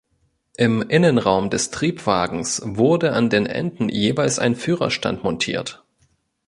Im Innenraum des Triebwagens wurde an den Enden jeweils ein Führerstand montiert.